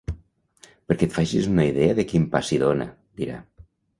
Perquè et facis una idea de quin pa s'hi dóna —dirà.